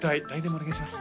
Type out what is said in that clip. お願いします